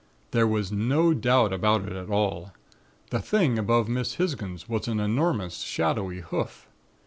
There was no doubt about it at all, the thing above Miss Hisgins was an enormous, shadowy hoof.